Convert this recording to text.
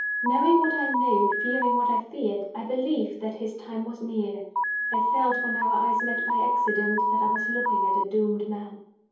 Knowing what I knew, fearing what I feared, I believed that his time was near. I felt, when our eyes met by accident, that I was looking at a doomed man.